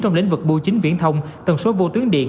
trong lĩnh vực bưu chính viễn thông tần số vô tuyến điện